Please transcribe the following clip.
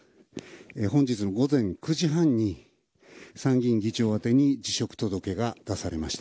本日の午前９時半に、参院議長宛てに辞職届が出されました。